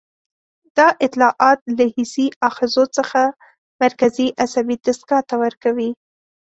دا اطلاعات له حسي آخذو څخه مرکزي عصبي دستګاه ته ورکوي.